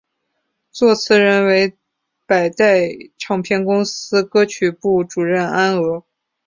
作词人为百代唱片公司歌曲部主任安娥。